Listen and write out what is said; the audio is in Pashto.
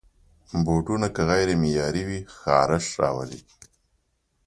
بوټونه که غیر معیاري وي، خارش راولي.